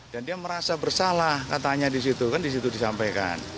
dan dia merasa bersalah katanya disitu kan disitu disampaikan